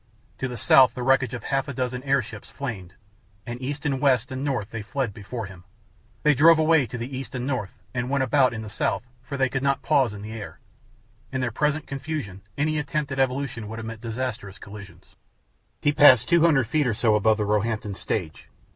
To the south the wreckage of half a dozen air ships flamed, and east and west and north they fled before him. They drove away to the east and north, and went about in the south, for they could not pause in the air. In their present confusion any attempt at evolution would have meant disastrous collisions. He passed two hundred feet or so above the Roehampton stage.